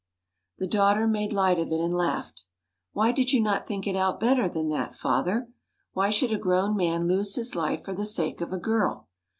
The daughter made light of it and laughed. "Why did you not think it out better than that, father? Why should a grown man lose his life for the sake of a girl?